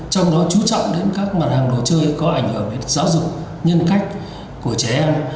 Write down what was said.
trong đó chú trọng đến các mặt hàng đồ chơi có ảnh hưởng đến giáo dục nhân cách của trẻ em